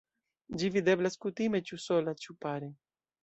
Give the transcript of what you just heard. Ĝi videblas kutime ĉu sola ĉu pare.